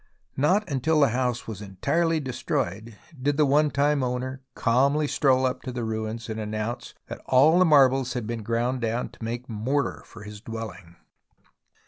Not until the house was entirely destroyed did the one time owner calmly stroll up to the ruins and announce that all the marbles had been ground down to make mortar for his dwelling.